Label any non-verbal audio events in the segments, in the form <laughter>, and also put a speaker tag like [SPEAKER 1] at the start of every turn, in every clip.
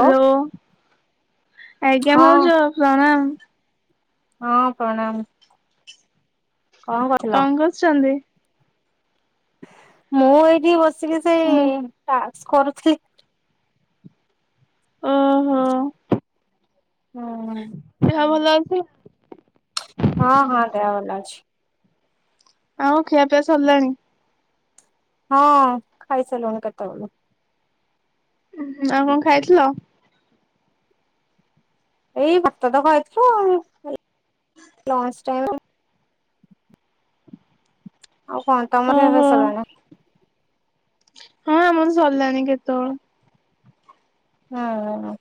[SPEAKER 1] Hello ଆଜ୍ଞା
[SPEAKER 2] ହଁ
[SPEAKER 1] ଭାଉଜ ପ୍ରଣାମ।
[SPEAKER 2] ହଁ ପ୍ରଣାମ୍।
[SPEAKER 1] କଣ କରୁଛନ୍ତି?
[SPEAKER 2] ମୁଁ ଏଇଠି ବସିକି ସେଇ
[SPEAKER 1] ମୁଁ
[SPEAKER 2] ଟାସ୍କ କରୁଥିଲି।
[SPEAKER 1] ଓହୋ
[SPEAKER 2] ହୁଁ।
[SPEAKER 1] ଦେହ ଭଲ ଅଛି?
[SPEAKER 2] ହଁ ହଁ ଦେହ ଭଲ ଅଛି।
[SPEAKER 1] ଆଉ ଖିଆପିଆ ସରିଲାଣି?
[SPEAKER 2] ହଁ ଖାଇସିଲୁଣି କେତେବେଳୁ।
[SPEAKER 1] ଉଁ ହୁଁ ଆଉ କଣ ଖାଇଥିଲ?
[SPEAKER 2] ଏଇ ଭାତ ତ ଖାଇଥିଲୁ ଆଉ ଏ ଲଞ୍ଚ ଟାଇମ୍ ରେ ଆଉ କଣ ତମର ଏବେ
[SPEAKER 1] ଓହୋ
[SPEAKER 2] ସଲାନା?
[SPEAKER 1] ହଁ ଆମର ସରିଲାଣି କେତେବେଳୁ।
[SPEAKER 2] ହଁ ଅଁ।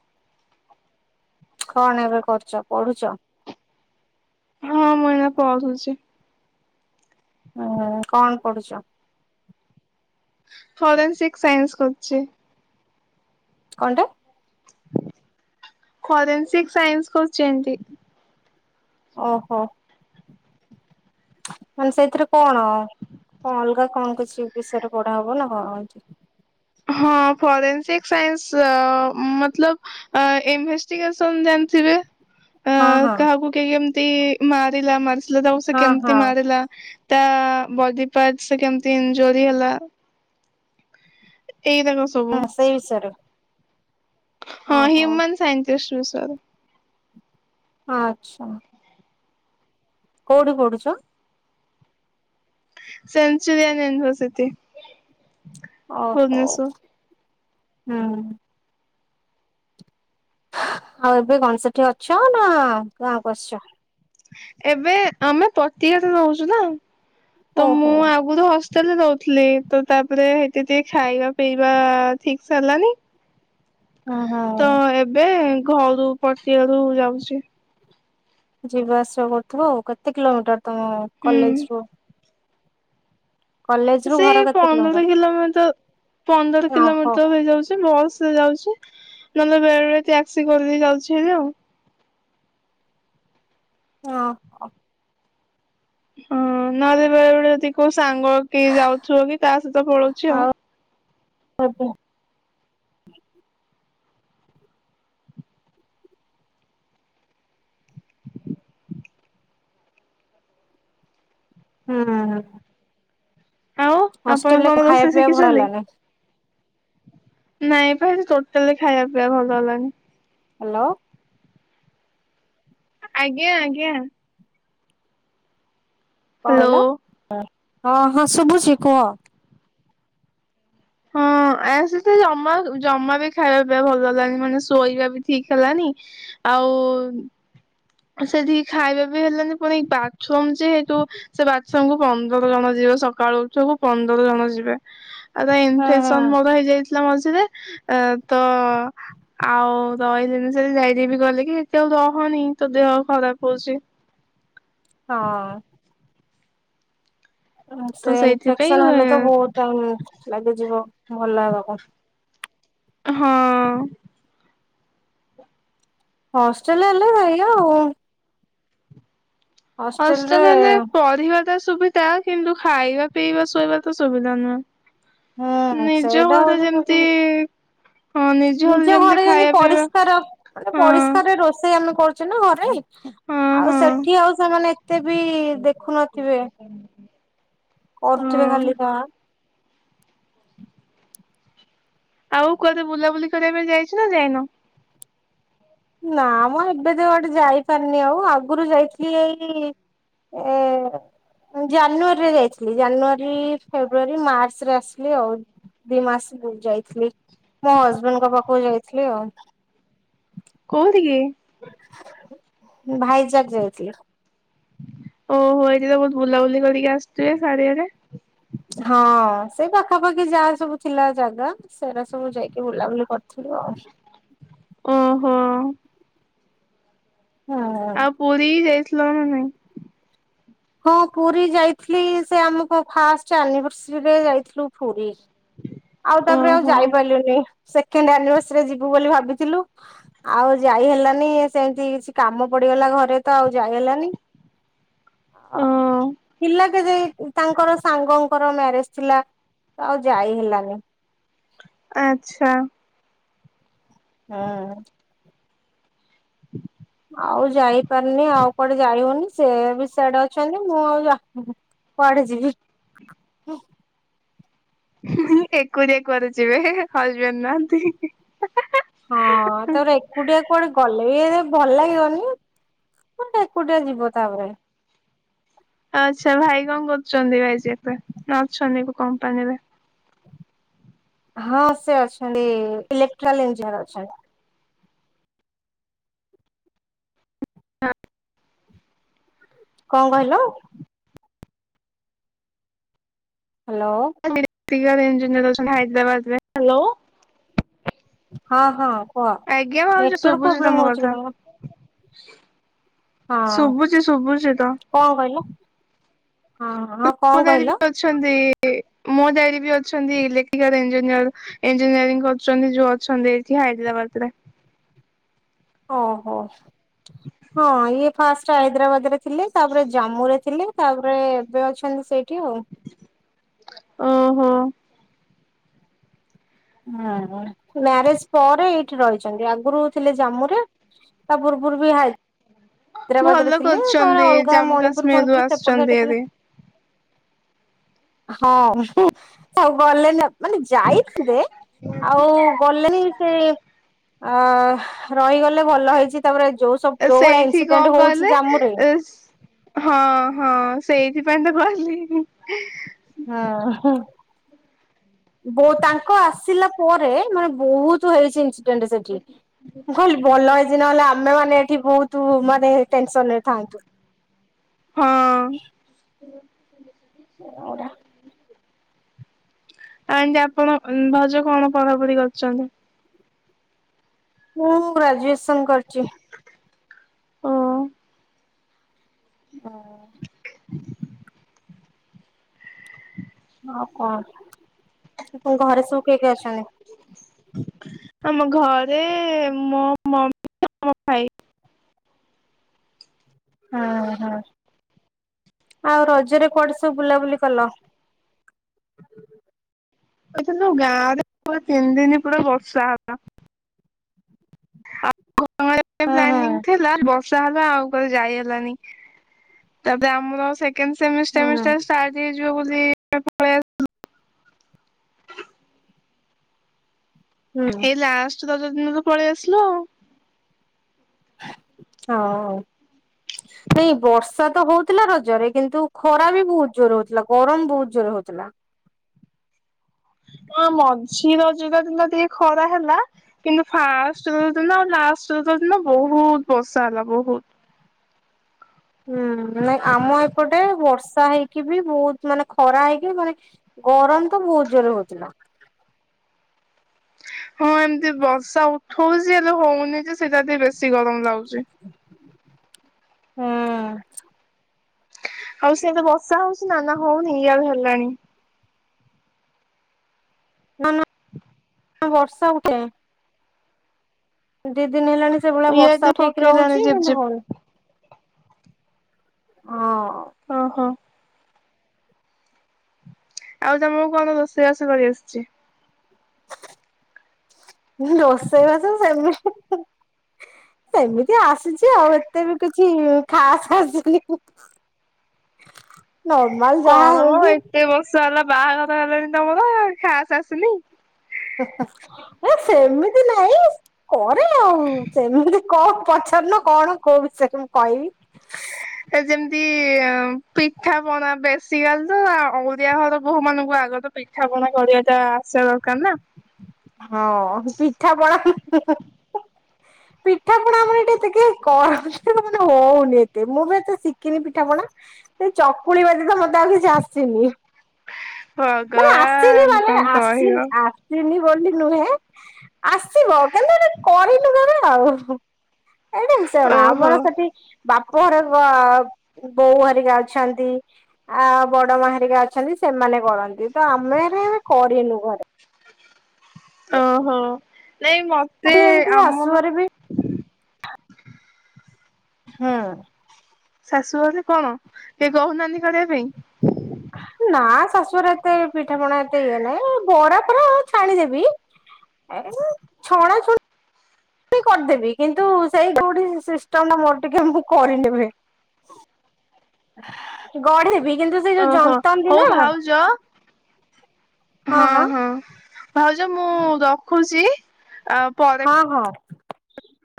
[SPEAKER 2] କଣ ଏବେ କରୁଚ ପଢୁଚ?
[SPEAKER 1] ହଁ ମୁଁ ଏଇନା ପଢୁଚି।
[SPEAKER 2] ଉ ହୁଁ କଣ ପଡୁଚ?
[SPEAKER 1] ଫରେନ୍ସିକ୍ ସାଇନ୍ସ କରୁଚି।
[SPEAKER 2] କଣ୍ଟେ?
[SPEAKER 1] ଫରେନ୍ସିକ ସାଇନ୍ସ କରୁଚେନ୍ତି।
[SPEAKER 2] ଓହୋ। ମାନେ ସେଇଥିରେ କଣ କଣ ଅଲଗା କଣ କିଛି ବିଷୟରେ ପଢା ହବ ନା କଣ ଏଠି?
[SPEAKER 1] ହଁ ଫରେନସିକ ସାଇନ୍ସ ମତଲବ ଇନଭେଷ୍ଟିଗେସନ ଜାଣିଥିବେ? ଆ
[SPEAKER 2] ହଁ ହଁ
[SPEAKER 1] କାହାକୁ କିଏ କେମିତି ମାରିଲା ମାରିଥିଲେ ତାକୁ ସେ
[SPEAKER 2] ହଁ
[SPEAKER 1] କେମିତି
[SPEAKER 2] ହଁ
[SPEAKER 1] ମାରିଲା ତା ବଡି ପାର୍ଟ କେମିତି ଇନଜୋରି ହେଲା ଏଇରାକ ସବୁ।
[SPEAKER 2] ହଁ ସେଇ ବିଷୟରେ?
[SPEAKER 1] ହଁ
[SPEAKER 2] ଓହୋ
[SPEAKER 1] ହ୍ୟୁମନ ସାଇଣ୍ଟିଷ୍ଟ ବିଷୟରେ।
[SPEAKER 2] ଆଚ୍ଛା। କୋଉଠି ପଢୁଛ?
[SPEAKER 1] Centurion University.
[SPEAKER 2] ଓହୋ ହୁଁ। ଆଉ ଏବେ କଣ ସେଠି ଅଛ ନା ଗାଁକୁ ଆସିଛ?
[SPEAKER 1] ଏବେ ଆମେ ପତିଆରେ ରହୁଛୁ ନା ତ ମୁଁ
[SPEAKER 2] ଓହୋ
[SPEAKER 1] ଆଗରୁ ହସ୍ ଲେ ରହୁଥିଲି ତ ତାପରେ ସେଇଠୀ ଟିକେ ଖାଇବା ପିଇବା ଠିକ ସେ ହେଲାନି
[SPEAKER 2] ହୁଁ
[SPEAKER 1] ତ
[SPEAKER 2] ହୁଁ
[SPEAKER 1] ଏବେ ଘରୁ ପଟିଆରୁ ଯାଉଛି।
[SPEAKER 2] ଯିବା ଆସିବା କରୁଥିବ ଆଉ, କେତେ କିଲୋମିଟର ତମ
[SPEAKER 1] ହୁଁ।
[SPEAKER 2] କଲେଜ ରୁ? କଲେଜ ରୁ
[SPEAKER 1] ସେ
[SPEAKER 2] ଘର କେତେ
[SPEAKER 1] ପନ୍ଦର କିଲୋମିଟର ପନ୍ଦର
[SPEAKER 2] ଓହୋ
[SPEAKER 1] କିଲୋମିଟର ହେଇଯାଉଛି ବସ୍ ଯାଉଛି ନହେଲେ ବେଳେବେଳେ ଟ୍ୟାକ୍ସି କରିଦେଇ ଯାଉଛି ହେରି ଆଉ।
[SPEAKER 2] ଓହୋ।
[SPEAKER 1] ହଁ ନହେଲେ ବେଳେବେଳେ ଏଟେ ଯଦି କୋଉ ସାଙ୍ଗ କି ଯାଉଥିବ କି ତା ସହିତ ପଳଉଛି ଆଉ।
[SPEAKER 2] ଆଜ୍ଞା। ହୁଁ।
[SPEAKER 1] ଆଉ ଆପଣ
[SPEAKER 2] ହଷ୍ଟେଲରେ
[SPEAKER 1] କଣ
[SPEAKER 2] ଖାଇବା
[SPEAKER 1] ରୋଷେଇ
[SPEAKER 2] ପିଇବା ଭଲ
[SPEAKER 1] ଶିଖିଛନ୍ତି?
[SPEAKER 2] ହେଲାନି।
[SPEAKER 1] ନାଇଁ ପା ସେଠି ଟୋଟାଲି ଖାଇବା ପିଇବା ଭଲ ହେଲାନି।
[SPEAKER 2] ହ୍ୟାଲୋ।
[SPEAKER 1] ଆଜ୍ଞା ଆଜ୍ଞା।
[SPEAKER 2] କଣ
[SPEAKER 1] ହ୍ୟାଲୋ।
[SPEAKER 2] କହିଲ ହଁ ହଁ ଶୁଭୁଛି କୁହ?
[SPEAKER 1] ହଁ। ଆ ସେଠି ଜମା ଜମା ବି ଖାଇବା ପିବା ଭଲ ହେଲାନି, ମାନେ ଶୋଇବା ବି ଠିକ ହେଲାନି। ଆଉ ସେଠିକି ଖାଇବା ବି ହେଲାନି ପୁଣି ଏଇ ବାଥରୁମ ଯେହେତୁ ସେ ବାଥରୁମ୍ କୁ ପନ୍ଦର ଜଣ ଯିବେ ସକାଳୁ ଉଠକୁ ପନ୍ଦର ଜଣ ଯିବେ ଆଉ ତ ଅମ୍
[SPEAKER 2] ହୁଁ ହୁଁ
[SPEAKER 1] ଇନ୍ଫେସନ ମୋର ହେଇଯାଇଥିଲା ମଝିରେ ତ ଆଉ ରହିଲିନି ସେ ଯାଇକି ବି ଗଲେ କି ସେଠ ଆଉ ରହନି ତୋ ଦେହ ଖରାପ ହଉଚି।
[SPEAKER 2] ହଁ। ସେ
[SPEAKER 1] ତ ସେଇଥିପାଇଁ
[SPEAKER 2] ଇନଫେକ୍ସନ ହେଲେ ତ ବହୁତ ଟାଇମ୍ ଲାଗିଯିବ ଭଲ ହେବାକୁ।
[SPEAKER 1] ହଁ।
[SPEAKER 2] ହଷ୍ଟେଲ ହେଲେ ଏଇଆ ଆଉ
[SPEAKER 1] ହଷ୍ଟେଲ ହେଲେ ପଢିବା ତ ସୁବିଧା କିନ୍ତୁ ଖାଇବା ପିଇବା ଶୋଇବା ତ ସୁବିଧା ନୁହେଁ।
[SPEAKER 2] ହୁଁ
[SPEAKER 1] ନିଜ
[SPEAKER 2] ସେଇଟା
[SPEAKER 1] ଘରେ
[SPEAKER 2] ହଉଛି
[SPEAKER 1] ଯେମିତି
[SPEAKER 2] ପ୍ରୋବେଲମ ନିଜ ଘରେ ଯେମିତି ପରିଷ୍କାର ମାନେ
[SPEAKER 1] ହଁ
[SPEAKER 2] ପରିଷ୍କାରରେ ରୋଷେଇ ଆମେ କରୁ ଅଛି ନା ଘରେ
[SPEAKER 1] ହଁ
[SPEAKER 2] ଆଉ
[SPEAKER 1] ହଁ
[SPEAKER 2] ସେଠି ଆଉ ସେମାନେ ଏତେ ବି ଦେଖୁନଥିବେ କରୁଥିବେ
[SPEAKER 1] ହଁ
[SPEAKER 2] ଖାଲି କ
[SPEAKER 1] ଆଉ କୁଆଡେ ବୁଲାବୁଲି କରିବା ପାଇଁ ଯାଇଛୁ ନା ଯାଇନୁ?
[SPEAKER 2] ନା ମୁଁ ଏବେ ତ ଗୋଟେ ଯାଇପାରିନି ଆଉ ଆଗରୁ ଯାଇଥିଲି ଏଇ ଏ ଜାନୁଆରୀ ରେ ଯାଇଥିଲି ଜାନୁଆରୀ, ଫେବୃୟାରୀ, ମାର୍ଚ୍ଚ ରେ ଆସିଲି ଆଉ। ଦି ମାସ ଯାଇଥିଲି ମୋ ହଜବେଣ୍ଡଙ୍କ ପାଖକୁ ଯାଇଥିଲି ଆଉ।
[SPEAKER 1] କୋଉଠି କି?
[SPEAKER 2] ଭାଇଯାକ ଯାଇଥିଲି।
[SPEAKER 1] ଓହୋ ଏଇଠି ତ ବହୁତ ବୁଲାବୁଲି କରିକି ଆସିୁଥିବେ ଶାଢୀଆଡେ।
[SPEAKER 2] ହଁ ସେଇ ପାଖାପାଖି ଯାହା ସବୁ ଥିଲା ଜାଗା। ସେରା ସବୁ ଯାଇକି ବୁଲାବୁଲି କରିଥିଲୁ ଆଉ।
[SPEAKER 1] ଓହୋ।
[SPEAKER 2] ହୁଁ।
[SPEAKER 1] ଆଉ ପୁରୀ ଯାଇଥିଲ ନା ନାଇଁ?
[SPEAKER 2] ହଁ ପୁରୀ ଯାଇଥିଲି ସେ ଆମ ଫାଷ୍ଟ ଆନିଭର୍ସରୀରେ ଯାଇଥିଲୁ ପୁରୀ। ଆଉ ତାପରେ ଆଉ
[SPEAKER 1] ଓହୋ
[SPEAKER 2] ଯାଇପାରିଲୁନି ସେକେଣ୍ଡ ଆନିଭର୍ସରୀରେ ଯିବୁ ବୋଲି ଭାବିଥିଲୁ। ଆଉ ଯାଇ ହେଲାନି ସେମିତି କିଛି କାମ ପଡିଗଲା ଘରେ ତ ଆଉ ଯାଇ ହେଲାନି ହ
[SPEAKER 1] ଓ
[SPEAKER 2] ପିଲ ଯାଇ ତାଙ୍କର ସାଙ୍ଗଙ୍କର ମ୍ୟାରେଜ ଥିଲା ଆଉ ଯାଇ ହେଲାନି
[SPEAKER 1] ଆଚ୍ଛା
[SPEAKER 2] ହଁ
[SPEAKER 1] ହୁଁ
[SPEAKER 2] ଆଉ ଯାଇପାରନି ଆଉ କୁଆଡେ ଯାଇ ହଉନି ସେ ବି ସେଡ ଅଛନ୍ତି ମୁଁ ଆଉ ଯ କୁଆଡ଼େ ଯିବି
[SPEAKER 1] ଏକୁଟିଆ କଆରେ ଯିବେ ହଜବେଣ୍ଡ ନାହାନ୍ତି
[SPEAKER 2] ହଁ ତର ଏକୁଟିଆ କୁଆଡେ ଗଲେ ବି ଏ ଭଲ ଲାଗିବନି କୋଟେ ଏକୁଟିଆ ଯିବ ତାପରେ
[SPEAKER 1] ଆଚ୍ଛା ଭାଇ କଣ କରୁଛନ୍ତି ଭାଇଯାକ ନା ଅଛନ୍ତି କମ୍ପାନୀରେ
[SPEAKER 2] ହଁ ସେ ଅଛନ୍ତି ଇଲେକ୍ଟ୍ରିକାଲ ଇଞ୍ଜିନିୟର ଅଛନ୍ତି
[SPEAKER 1] ହଁ
[SPEAKER 2] କଣ କହିଲ ହ୍ୟାଲୋ
[SPEAKER 1] <unintelligible> ଇଞ୍ଜିିୟରିଅର ହାଇଦରାବାଦ ହଲୋ
[SPEAKER 2] ହଁ ହଁ କୁହ
[SPEAKER 1] ଆଜ୍ଞା ଭାବଜ
[SPEAKER 2] ନେଟୱାର୍କ
[SPEAKER 1] ଶୁଭୁଛି
[SPEAKER 2] ପ୍ରୋବ୍ଲେମ
[SPEAKER 1] ତମ
[SPEAKER 2] ହଉଛି କି
[SPEAKER 1] କଥା
[SPEAKER 2] ତମର
[SPEAKER 1] ଶୁଭୁଛି ଶୁଭୁଛି ତ
[SPEAKER 2] କଣ କହିଲ ହଁ କଣ
[SPEAKER 1] ଡ ବି
[SPEAKER 2] କହିଲ
[SPEAKER 1] ଅଛନ୍ତି ମୋ ଡ ବି ଅଛନ୍ତି ଇଲେଟ୍ରାଲ ଇଜିନିୟର ଇଞ୍ଜିନିୟରିଂ କରୁଛନ୍ତି ଯୋଉ ଅଛନ୍ତି ଏଠି ହାଇଦ୍ରାବାଦ ରେ
[SPEAKER 2] ଓହୋ ହଁ ଇଏ ଫାଷ୍ଟ ହାଇଦ୍ରାବାଦ ରେ ଥିଲେ ତାପରେ ଜାମ୍ମୁ ରେ ଥିଲେ ତାପରେ ଏବେ ଅଛନ୍ତି ସେଇଠି ଆଉ
[SPEAKER 1] ଓହୋ
[SPEAKER 2] ହୁଁ ମ୍ୟାରେଜ ପରେ ଏଇଠି ରହିଛନ୍ତି ଆଗରୁ ଥିଲେ ଜାମ୍ମୁ ରେ ତା ବୁର୍ବୁର ବି ହା ହାଇଦ୍ରାବାଦ ରେ
[SPEAKER 1] ଭଲ
[SPEAKER 2] ଥିଲେ ତାପରେ
[SPEAKER 1] କରୁଛନ୍ତି
[SPEAKER 2] ଅଲଗା
[SPEAKER 1] ଜାମ୍ମୁ
[SPEAKER 2] ମଣିପୁର
[SPEAKER 1] କାଶ୍ମୀରରୁୁ
[SPEAKER 2] ଫଣିପୁର ସେପଟେ
[SPEAKER 1] ଆସୁଛନ୍ତି
[SPEAKER 2] ସେଇଠି ଥିଲା
[SPEAKER 1] ହେରି।
[SPEAKER 2] ହଁ ମୁ ସବୁ ଗଲେ ନା ମାନେ ଯାଇଥିଲେ ଆଉ ଗଲେନି ସେ ଅ ରହିଗଲେ ଭଲ ହେଇଛି ତାପରେ ଯୋଉ ସବୁ ଯୋଉ ଭଳିଆ
[SPEAKER 1] ସେଇଠି
[SPEAKER 2] ଇନସିଡେଣ୍ଟ
[SPEAKER 1] କଣ
[SPEAKER 2] ହଉଚି
[SPEAKER 1] କହିଲେ
[SPEAKER 2] ଜାମୁ ରେ।
[SPEAKER 1] ଏ ହଁ ହଁ ସେଇଥିପାଇଁ ତ ଗଲିନି।
[SPEAKER 2] ହଁ। ବହୁ ତାଙ୍କ ଆସିଲା ପରେ ମାନେ ବହୁତ ହେଇଚି ଇନସ ଡେଣ୍ଟ ସେଠି। ମୁଁ କହିଲ ଭଲ ହେଇଚି ନହେଲେ ଆମେ ମାନେ ଏଠି ବୋହୁତ ତୁ ମାନେ ଟେନସନ ରେ ଥାଆନ୍ତୁ।
[SPEAKER 1] ହଁ।
[SPEAKER 2] <unintelligible>
[SPEAKER 1] ଆଜ୍ଞା ଆପଣ ଭଉଜ କଣ ପଢାପଢି କରିଚନ୍ତି?
[SPEAKER 2] ମୁଁ ଗ୍ରାଜୁଏସନ କରିଚି।
[SPEAKER 1] ଓ।
[SPEAKER 2] ହଁ।
[SPEAKER 1] ହ
[SPEAKER 2] ହଁ କଣ ଘରେ ସବୁ କିଏ କିଏ ଅଛନ୍ତି?
[SPEAKER 1] ଆମ ଘରେ ମୋ ମମି ଆଉ ମୋ ଭାଇ।
[SPEAKER 2] ହୁଁ ହୁଁ ଆଉ ରଜରେ କୁଆଡେ ସବୁ ବୁଲାବୁଲି କଲ?
[SPEAKER 1] <unintelligible> ଗାଁରେ ପା ତିନି ଦିନ ପୁରା ବର୍ଷା ହେଲା। <unintelligible>
[SPEAKER 2] ହୁଁ
[SPEAKER 1] ପ୍ଲାନିଂ
[SPEAKER 2] ହୁଁ
[SPEAKER 1] ଥିଲା ବ ର୍ଷା ହେଲା ଆଉ ଯାଇ ହେଲାନି। ତାପରେ ଆମର ସେକେଣ୍ଡ ସେମିଷ୍ଟାର
[SPEAKER 2] ହୁଁ
[SPEAKER 1] ସେମିଷ୍ଟାର ଷ୍ଟାର୍ଟ ହେଇଏଯିବ ବୋଲି <unintelligible>
[SPEAKER 2] ହୁଁ।
[SPEAKER 1] ଏଇ ଲାଷ୍ଟ ରଜ ଦିନ ତ ପଳେଇ ଆସିଲ ଆଉ
[SPEAKER 2] ହଁ। ନାଇଁ ବର୍ଷା ତ ହଉଥିଲା ରଜରେ କିନ୍ତୁ ଖରା ବି ବହୁତ ଜୋର ହଉଥିଲା ଗରମ ବହୁତ ଜୋର ହଉଥିଲା।
[SPEAKER 1] ହଁ ମଝି ରଜଟା ଦିନ ଟିକେ ଖରା ହେଲା କିନ୍ତୁ ଫାଷ୍ଟ ରଦ ଦିନ ଆଉ ଲାଷ୍ଟ ରଦ ଦିନ ବହୁତ ବର୍ଷା ହେଲା ବହୁତ।
[SPEAKER 2] ହୁଁ ନାଇଁ ଆମ ଏପଟେ ବର୍ଷା ହେଇକି ବି ବହୁତ ମାନେ ଖରା ହେଇକି ମାନେ ଗରମ ତ ବହୁତ ଜୋରେ ହଉଥିଲା।
[SPEAKER 1] ହଁ ଏମିତି ବର୍ଷା ଉଠଉଛି ହେଲେ ହଉନି ଯେ ସେଇଟା ବେଶୀ ଗରମ ଲାଗୁଚି।
[SPEAKER 2] ହୁଁ।
[SPEAKER 1] ଆଉ ସିଆଡେ ବର୍ଷା ହଉଚି ନା ନା ହଉନି ଇଆଡେ ହେଲାଣି।
[SPEAKER 2] ନା ନା ବର୍ଷା ଉଠେ। ଦି ଦିନ ହେଲାଣି ସେଇଭଳିଆ
[SPEAKER 1] ଇଆଡେ
[SPEAKER 2] ବର୍ଷା ଉଠେଇକି
[SPEAKER 1] ପକେଇଲାଣି
[SPEAKER 2] ରହୁଚି
[SPEAKER 1] ଝିପ୍
[SPEAKER 2] କିନ୍ତୁ
[SPEAKER 1] ଝିପ୍
[SPEAKER 2] ହଉନି। ହଁ।
[SPEAKER 1] ଅହ। ଆଉ ତମକୁ କଣ ରୋଷେଇବାସ କରି ଆସିଚି?
[SPEAKER 2] ରୋଷେଇବାସ ସେମି ହେମିତି ଆସିଚି ଆଉ ଏତେ ବି କିଛି ଖାସ ଆସିନି। ନର୍ମାଲ ଯାହା
[SPEAKER 1] କଣ ମ
[SPEAKER 2] ହଉଛି
[SPEAKER 1] ଏତେ ବର୍ଷ ହେଲା ବାହାଘର ହେଲାଣିି ତମର ଖାସ ଆସିନି।
[SPEAKER 2] ଏ ସେମିତି ନାଇଁ। କରେ ଆଉ ସେମିତି କଣ ପଚାରୁନ କଣ କୋଉ ବିଷୟରେ ମୁଁ କହିବି।
[SPEAKER 1] ଏ ଯେମିତି ଅ ପିଠାପଣା ବେଶିକାଲି ତ ଓଡ଼ିଆ ଘର ବୋହୁମାନଙ୍କୁ ଆଗ ତ ପିଠାପଣା କରିବାଟା ଆସିବା ଦରକାର ନା।
[SPEAKER 2] ହଁ ପିଠାପଣା। ପିଠା ପଣା ଆମର ଏତେ କେହି କର ମାନେ ହଉନି ଏତେ ମୁଁ ବି ଏତେ ଶିଖିନି ପିଠାପଣା। ସେ ଚକୁଳି ବା ତ ମ ମତେ ଆଉ କିଛି ଆସିନି ମାନେ ଆସିିନି
[SPEAKER 1] ଭଗବାନ
[SPEAKER 2] ମାନେ
[SPEAKER 1] କଣ କହିବ
[SPEAKER 2] ଆସିନି ଆ ଆସିନି ବୋଲି ନୁହେଁ ଆସିବ <unintelligible> କରିନୁ କେବେ ଆଉ। ଏଇଟା ବି ଶୁଣ
[SPEAKER 1] ଓହୋ
[SPEAKER 2] ଆମର ସେଠି ବାପ ଘରେ ପ ବୋଉ ହେରିକା ଅଛନ୍ତି। ଆ ବଡ ମା ହେରିକା ଅଛନ୍ତି ସେମାନେ କରନ୍ତି ତ ଆମେ କେବେ କରିନୁ ଘରେ।
[SPEAKER 1] ଓହୋ ନାଇଁ ମତେ
[SPEAKER 2] ଏଠି ଏମିତି
[SPEAKER 1] ଆମର
[SPEAKER 2] ଶାଶୁଘରେ ବି ହୁଁ।
[SPEAKER 1] ଶାଶୁ ଘରେ କଣ କେହି କହୁ ନାହାନ୍ତି କରିବା ପାଇଁ।
[SPEAKER 2] ନା ଶାଶୁଘରେ ଏତେ ପିଠାପଣା ଏତେ ଇଏ ନାହିଁ ବରା ଫରା ହଁ ଛାଣିଦେବି। ଏ ଛଣାଛଣି କରିଦେବି କିନ୍ତୁ ସେଇ କୋଉଠି ସିଷ୍ଟମଟା ମୋର ଟିକେ ମୁଁ କରିନେବି। ଗଢ଼ିବି କିନ୍ତୁ ସେଇ ଯୋଉ ଜନ୍ତନ୍ତିନା
[SPEAKER 1] ଯ ହଁ ହଁ ଭାଉଜ ମୁଁ ରଖୁଛି ଆଉ ପରେ
[SPEAKER 2] ହଁ ହଁ।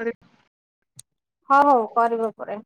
[SPEAKER 1] ଆରେ।
[SPEAKER 2] ହ ହଉ କରିବ ପରେ।